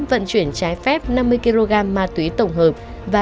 vận chuyển trái phép năm mươi kg ma túy tổng hợp và